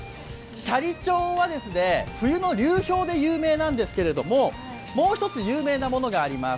斜里町は冬の流氷で有名なんですけども、もう一つ有名なものがあります。